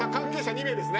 ２名ですね？